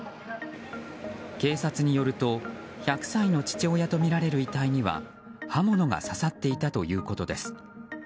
警察によると、１００歳の父親とみられる遺体には刃物が刺さっていたということです。